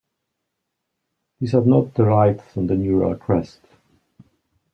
These are not derived from the neural crest.